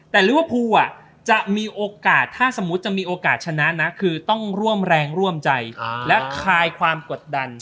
แต่ลิเวอร์พูลจะมีโอกาสถ้าสมมุติจะมีโอกาสชนะนะคือต้องร่วมแรงร่วมใจและคลายความกดดัน